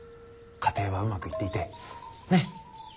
家庭はうまくいっていてね。